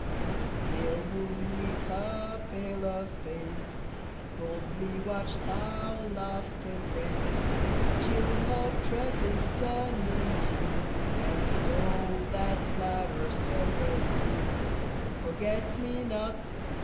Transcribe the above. The pale moon lit her paler face, And coldly watch'd our last embrace, And chill'd her tresses' sunny hue, And stole that flower's turquoise blue. Forget me not!